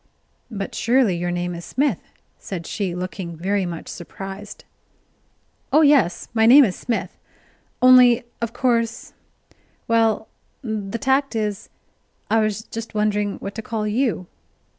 "But surely your name is Smith?" said she, looking very much surprised. "Oh yes, my name is Smith: only of course well, the tact is, I was just wondering what to call you."